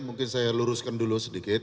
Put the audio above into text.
mungkin saya luruskan dulu sedikit